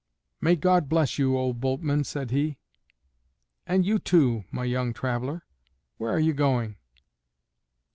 "May God bless you, old boatman," said he. "And you, too, my young traveler. Where are you going?"